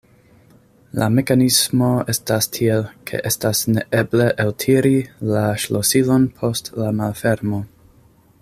La mekanismo estas tiel, ke estas neeble eltiri la ŝlosilon post la malfermo.